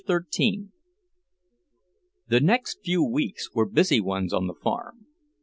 XIII The next few weeks were busy ones on the farm.